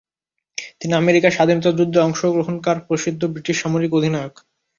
তিনি আমেরিকার স্বাধীনতা যুদ্ধে অংশগ্রহণকার প্রসিদ্ধ ব্রিটিশ সামরিক অধিনায়ক।